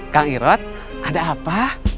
kang irod ada apa